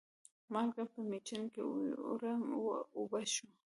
مالګه په مېچن کې اوړه و اوبه شوه.